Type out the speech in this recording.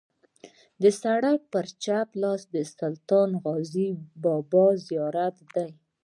د سړک پر چپ لاس د سلطان غازي بابا زیارت دی.